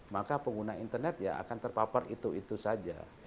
maka pengguna internet ya akan terpapar itu itu saja